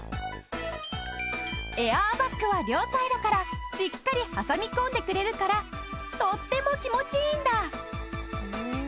エアーバッグは両サイドからしっかり挟み込んでくれるからとっても気持ちいいんだ！